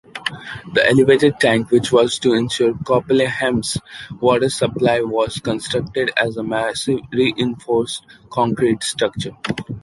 The elevated tank, which was to ensure Kloppenheim's water supply, was constructed as a massive reinforced concrete structure.